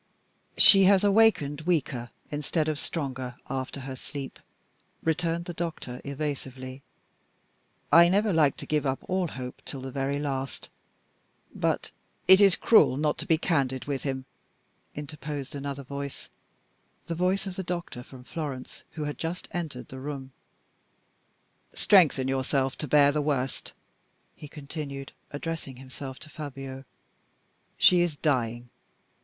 "She has awakened weaker instead of stronger after her sleep," returned the doctor, evasively. "I never like to give up all hope till the very last, but " "It is cruel not to be candid with him," interposed another voice the voice of the doctor from Florence, who had just entered the room. "Strengthen yourself to bear the worst," he continued, addressing himself to Fabio. "She is dying.